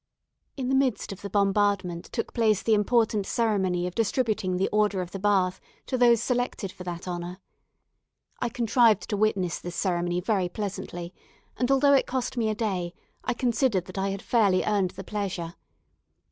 In the midst of the bombardment took place the important ceremony of distributing the Order of the Bath to those selected for that honour. I contrived to witness this ceremony very pleasantly; and although it cost me a day, I considered that I had fairly earned the pleasure.